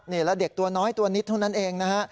นี่แล้วเด็กตัวน้อยตัวนิดเท่านั้นเองนะฮะ